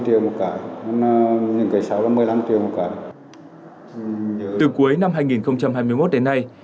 từ cuối năm hai nghìn hai mươi một đến nay